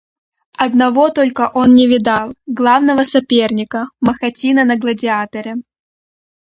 Одного только он не видал, главного соперника, Махотина на Гладиаторе.